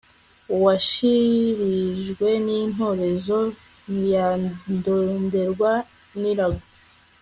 uwashirijwe n'intorezo ntiyadonderwa n'irago